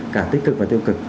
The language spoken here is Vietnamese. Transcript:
cả tích cực và tiêu cực